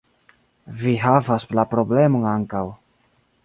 - Vi havas la problemon ankaŭ